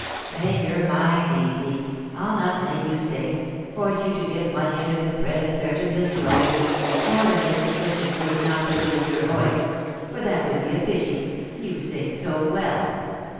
"Make your mind easy, I'll not make you sing (force you to give money under the threat of certain disclosures) more than is sufficient for you not to lose your voice; for that would be a pity, you sing so well."